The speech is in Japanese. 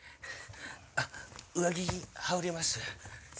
あっ上着羽織ります。